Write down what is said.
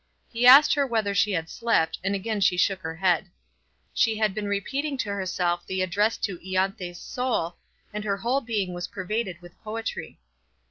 He asked her whether she had slept, and again she shook her head. She had been repeating to herself the address to Ianthe's soul, and her whole being was pervaded with poetry.